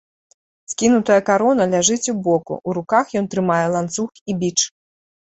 Скінутая карона ляжыць у боку, у руках ён трымае ланцуг і біч.